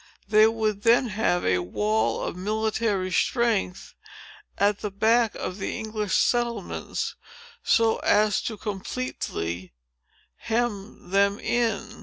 They would then have had a wall of military strength, at the back of the English settlements, so as completely to hem them in.